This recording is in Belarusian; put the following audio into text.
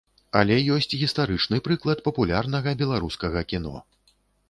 Але ёсць гістарычны прыклад папулярнага беларускага кіно.